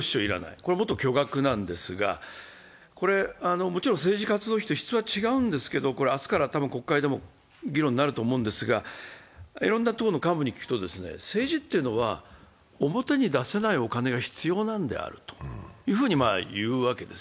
これはもっと巨額なんですがもちろん政治活動費と質は違うんですけど、明日から多分国会でも議論になると思うんですが、いろんな党の幹部に聞くと、政治というのは表に出せないお金が必要なんであると言うわけです。